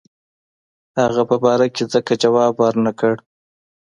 هغه په باره کې ځکه جواب ورنه کړ.